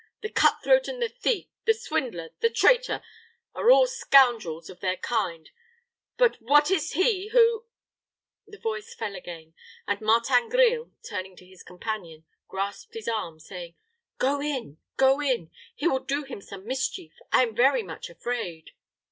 The cut throat and the thief, the swindler, the traitor, are all scoundrels of their kind; but what is he who " The voice fell again; and Martin Grille, turning to his companion, grasped his arm, saying, "Go in go in. He will do him some mischief, I am very much afraid."